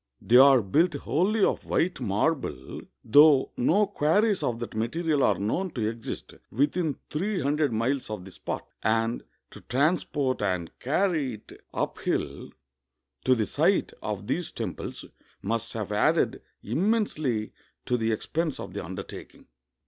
They are built wholly of white marble, though no quarries of that material are known to exist within three hundred miles of the spot, and to transport and carry it uphill to the site of these temples must have added im mensely to the expense of the undertaking.